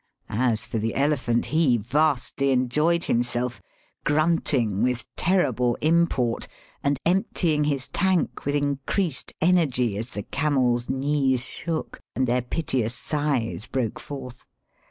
As for the elephant, he vastly enjoyed himself, grunt ing with terrible import and emptying his tank with increased energy as the camels' knees shook and their piteous sighs broke forth.